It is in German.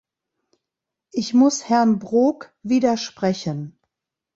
Ich muss Herrn Brok widersprechen.